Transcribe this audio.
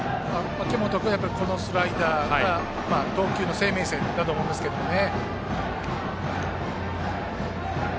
秋本君は、やはりスライダーが投球の生命線だと思いますけどね。